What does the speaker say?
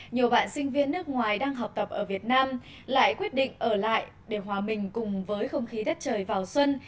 nhiều bạn sinh viên nước ngoài đang học tập ở việt nam lại quyết định ở lại để hòa mình cùng với không khí đất trời vào xuân